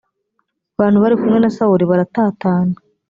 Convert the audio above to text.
bantu bari kumwe na sawuli baratatana